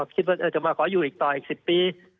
คิดว่าจะมาขออยู่อีกต่ออีก๑๐ปี